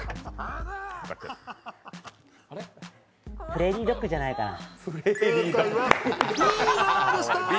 プレーリードッグじゃないかな。